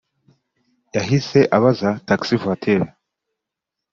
yahise abaza taxi voiture